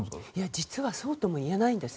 実はそうとも言えないんです。